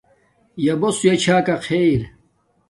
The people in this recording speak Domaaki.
یݳ بݸس ہݸیݳ چھݳ کݳ خݵر.